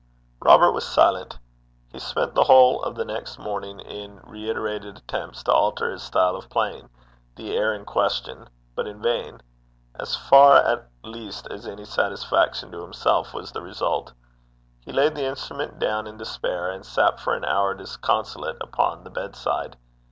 Robert was silent. He spent the whole of the next morning in reiterated attempts to alter his style of playing the air in question, but in vain as far at least as any satisfaction to himself was the result. He laid the instrument down in despair, and sat for an hour disconsolate upon the bedside.